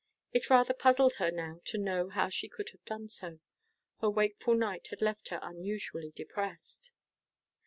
It rather puzzled her now to know how she could have done so. Her wakeful night had left her unusually depressed.